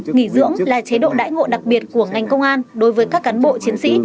nghỉ dưỡng là chế độ đãi ngộ đặc biệt của ngành công an đối với các cán bộ chiến sĩ